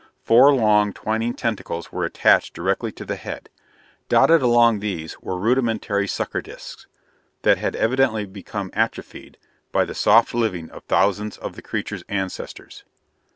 Four long, twining tentacles were attached directly to the head. Dotted along these were rudimentary sucker discs, that had evidently become atrophied by the soft living of thousands of the creature's ancestors.